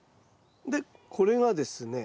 でこれがですね